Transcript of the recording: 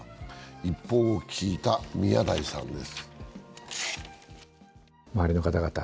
一報を聞いた宮台さんです。